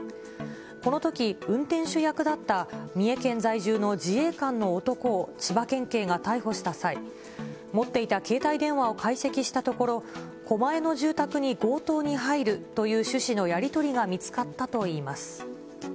このとき、運転手役だった三重県在住の自衛官の男を千葉県警が逮捕した際、持っていた携帯電話を解析したところ、狛江の住宅に強盗に入るという趣旨のやり取りが見つかったといいます。